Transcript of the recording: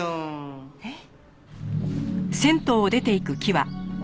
えっ？